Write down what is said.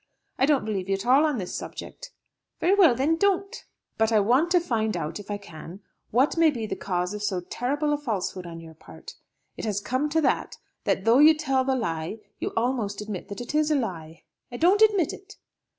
I don't believe you at all on this subject." "Very well, then, don't." "But I want to find out, if I can, what may be the cause of so terrible a falsehood on your part. It has come to that, that though you tell the lie, you almost admit that it is a lie." "I don't admit it."